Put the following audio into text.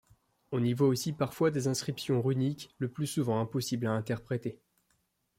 On y voit aussi parfois des inscriptions runiques, le plus souvent impossibles à interpréter.